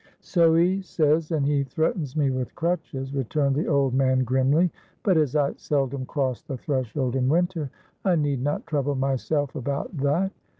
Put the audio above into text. "So he says, and he threatens me with crutches," returned the old man, grimly; "but, as I seldom cross the threshold in winter, I need not trouble myself about that.